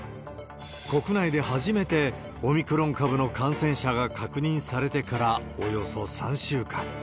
国内で初めてオミクロン株の感染者が確認されてからおよそ３週間。